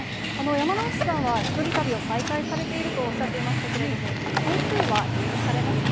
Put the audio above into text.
山之内さんは、一人旅を再開されてるとおっしゃっていましたけれども、ＧｏＴｏは利用されますか？